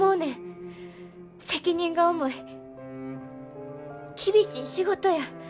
責任が重い厳しい仕事や。